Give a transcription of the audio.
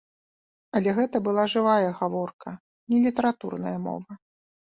Але гэта была жывая гаворка, не літаратурная мова.